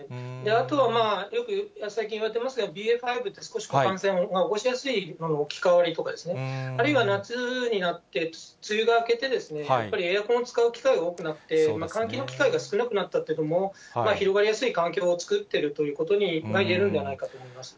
あとはよく最近いわれてますが、ＢＡ．５って、少し感染を起こしやすい置き換わりですとか、あるいは夏になって梅雨が明けてですね、やっぱりエアコン使う機会が多くなって、換気の機会が少なくなったというのも、広がりやすい環境を作ってるということがいえるんではないかと思います。